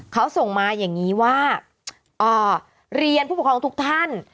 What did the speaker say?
เขาส่งมาอย่างนี้ว่าเรียนผู้ปกครองทุกท่าน